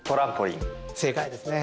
正解ですね。